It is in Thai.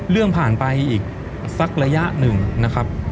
เรื่องผ่านไปอีกสักระยะหนึ่งนะครับ